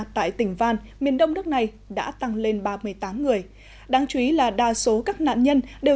tại tỉnh van miền đông nước này đã tăng lên ba mươi tám người đáng chú ý là đa số các nạn nhân đều